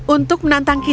untuk menantang kita